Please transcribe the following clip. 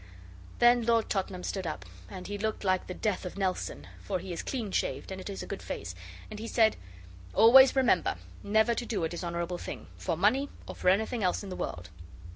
Then Lord Tottenham stood up, and he looked like the Death of Nelson, for he is clean shaved and it is a good face, and he said 'Always remember never to do a dishonourable thing, for money or for anything else in the world.